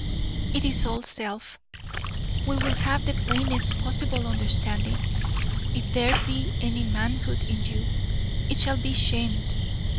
"It is all self. We will have the plainest possible understanding. If there be any manhood in you, it shall be shamed.